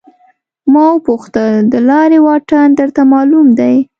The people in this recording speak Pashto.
ما وپوښتل د لارې واټن درته معلوم دی.